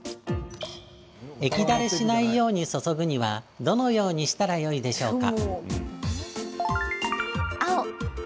液垂れしないように注ぐには、どのようにしたらよいでしょうか？